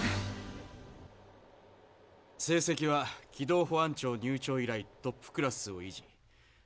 成績は軌道保安庁入庁以来トップクラスを維持。